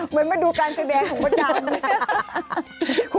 เหมือนมาดูการแสดงของมดดำ